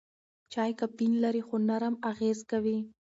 چای کافین لري خو نرم اغېز کوي.